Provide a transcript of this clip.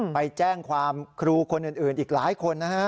ไปแจ้งความครูคนอื่นอีกหลายคนนะฮะ